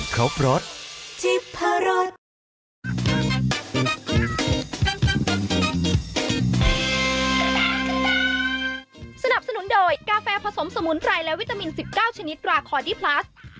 คุณภาพเกิดราคา